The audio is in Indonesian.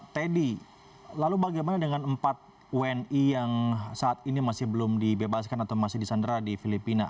teddy lalu bagaimana dengan empat wni yang saat ini masih belum dibebaskan atau masih disandera di filipina